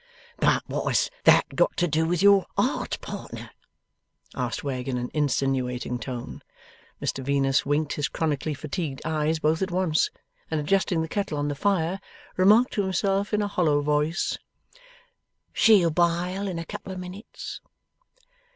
'But what has that got to do with your art, partner?' asked Wegg, in an insinuating tone. Mr Venus winked his chronically fatigued eyes both at once, and adjusting the kettle on the fire, remarked to himself, in a hollow voice, 'She'll bile in a couple of minutes.